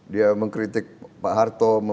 dia mengkritik pak harto